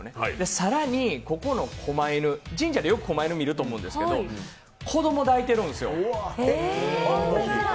更にここのこま犬、神社でよくこま犬見ると思うんですけど子供抱いてるんですよ。